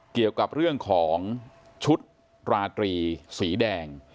เกี่ยวกับเรื่องของชุดราตรีสีแดง